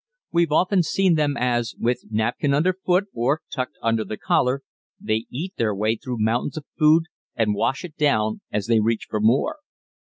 We've often seen them as, with napkin under foot or tucked under the collar, they eat their way through mountains of food and wash it down as they reach for more.